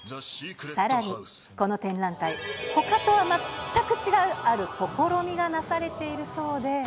さらに、この展覧会、ほかとは全く違う、ある試みがなされているそうで。